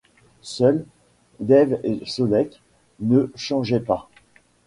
Seuls, Dave et Solleck ne changeaient pas.